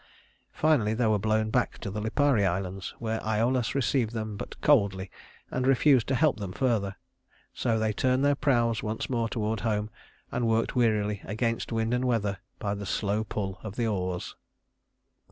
Finally they were blown back to the Lipari Islands, where Æolus received them but coldly, and refused to help them further. So they turned their prows once more toward home, and worked wearily against wind and weather by the slow pull of the oars.